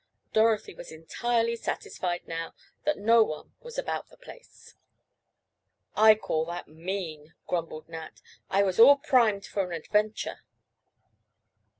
Dorothy was entirely satisfied now that no one was about the place. "I call that mean," grumbled Nat. "I was all primed for an adventure."